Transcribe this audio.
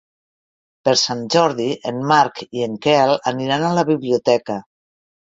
Per Sant Jordi en Marc i en Quel aniran a la biblioteca.